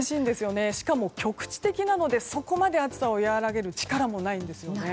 しかも局地的なのでそこまで暑さを和らげる力もないんですよね。